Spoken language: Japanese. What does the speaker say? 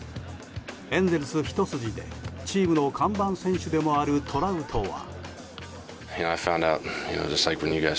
エンゼルスひと筋でチームの看板選手でもあるトラウトは。